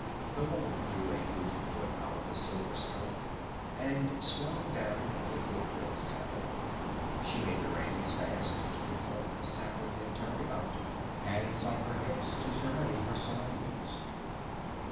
The woman drew a booted foot out of the silver stirrup and swung down from the gilt worked saddle. She made the reins fast to the fork of a sapling, and turned about, hands on her hips, to survey her surroundings.